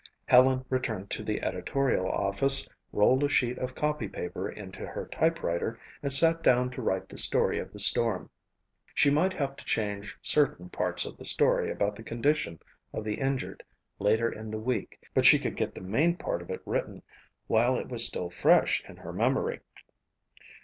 Helen returned to the editorial office, rolled a sheet of copypaper into her typewriter, and sat down to write the story of the storm. She might have to change certain parts of the story about the condition of the injured later in the week but she could get the main part of it written while it was still fresh in her memory.